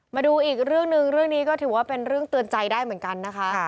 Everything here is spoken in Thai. มาดูอีกเรื่องหนึ่งเรื่องนี้ก็ถือว่าเป็นเรื่องเตือนใจได้เหมือนกันนะคะ